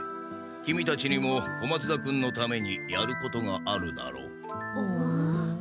キミたちにも小松田君のためにやることがあるだろう？え？